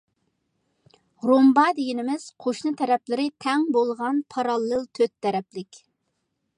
رومبا دېگىنىمىز، قوشنا تەرەپلىرى تەڭ بولغان پاراللېل تۆت تەرەپلىك.